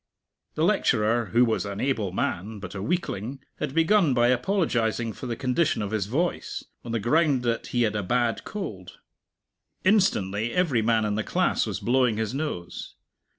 The lecturer, who was an able man but a weakling, had begun by apologizing for the condition of his voice, on the ground that he had a bad cold. Instantly every man in the class was blowing his nose.